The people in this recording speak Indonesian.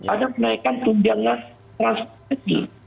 ada menaikkan tunjangan transportasi